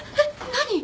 何！？